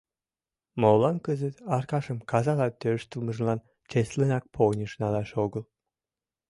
Молан кызыт Аркашым казала тӧрштылмыжлан чеслынак поньыж налаш огыл?